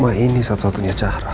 nah ini satu satunya cara